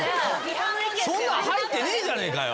そんなん入ってねえじゃねえかよ。